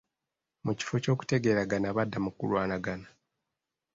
Mu kifo ky'okutegeeregana, badda mu kulwanagana.